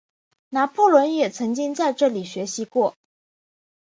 拿破仑也曾经在这里学习过。